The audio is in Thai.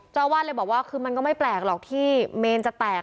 เจ้าอาวาสเลยบอกว่าคือมันก็ไม่แปลกหรอกที่เมนจะแตก